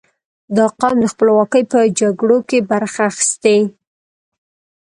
• دا قوم د خپلواکۍ په جګړو کې برخه اخیستې.